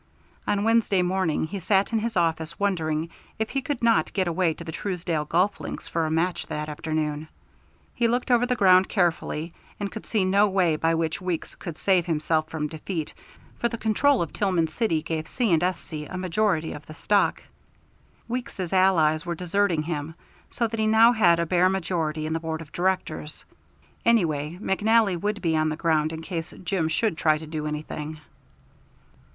On Wednesday morning he sat in his office wondering if he could not get away to the Truesdale golf links for a match that afternoon. He looked over the ground carefully, and could see no way by which Weeks could save himself from defeat, for the control of Tillman City gave C. & S.C. a majority of the stock. Weeks's allies were deserting him, so that he now had a bare majority in the Board of Directors. Anyway, McNally would be on the ground in case Jim should try to do anything.